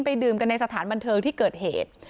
ดื่มกันในสถานบันเทิงที่เกิดเหตุ